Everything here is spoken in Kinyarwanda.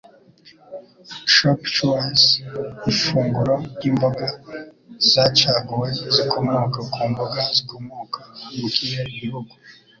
Chop Suey Ifunguro ryimboga zacaguwe zikomoka ku mboga zikomoka mu kihe gihugu?